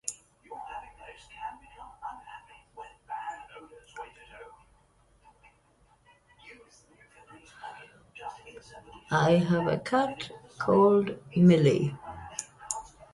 Four weeks passed away, and Jane saw nothing of him.